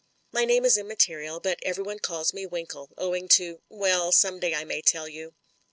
My name is immaterial, but everyone calls me Winkle, owing to— Well, some day I may tell you.